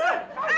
kenapa salah lu